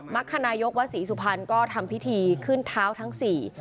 รรคนายกวัดศรีสุพรรณก็ทำพิธีขึ้นเท้าทั้งสี่